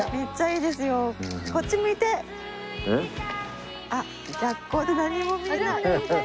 えっ？あっ逆光で何も見えない。